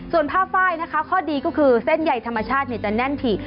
ส่วนผ้าไฟล์นะคะข้อดีก็คือเส้นใหญ่ธรรมชาติจะแน่นถี่